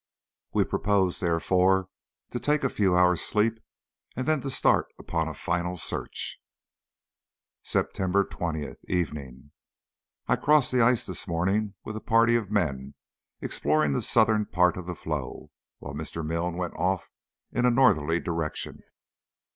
We propose therefore to take a few hours' sleep, and then to start upon a final search. September 20th, evening. I crossed the ice this morning with a party of men exploring the southern part of the floe, while Mr. Milne went off in a northerly direction.